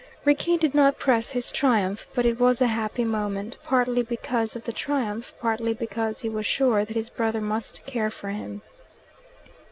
Rickie did not press his triumph, but it was a happy moment, partly because of the triumph, partly because he was sure that his brother must care for him.